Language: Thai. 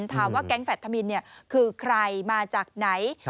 ถามว่าแก๊งแฟธมินคือใครมาจากไหน